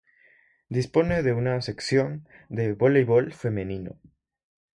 Dispone de una sección de voleibol femenino.